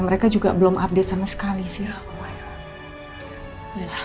mereka juga belum update sama sekali sih